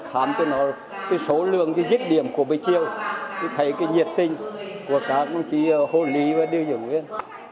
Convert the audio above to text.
khám cho nó cái số lượng cái dứt điểm của bệnh viện thì thấy cái nhiệt tinh của các bác sĩ hôn lý và điều dụng viên